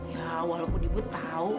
ya walaupun ibu tahu